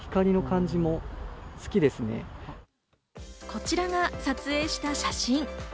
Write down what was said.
こちらが撮影した写真。